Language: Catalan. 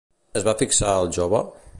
Es va fixar el jove?